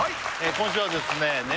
今週はですねはい！